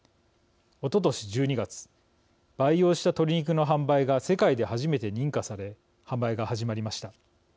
おととし１２月培養した鶏肉の販売が世界で初めて認可され販売が始まりました。